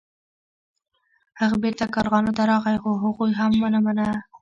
هغه بیرته کارغانو ته راغی خو هغوی هم ونه مانه.